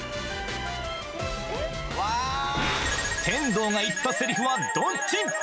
天堂が言ったセリフはどっち？